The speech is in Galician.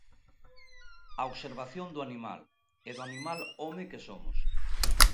A observación do animal, e do animal home que somos.